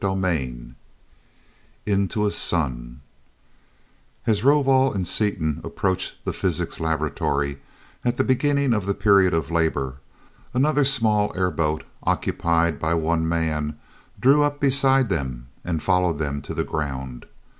CHAPTER XI Into a Sun As Rovol and Seaton approached the physics laboratory at the beginning of the period of labor, another small airboat occupied by one man drew up beside them and followed them to the ground.